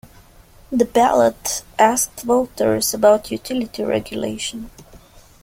The ballot asked voters about utility regulation.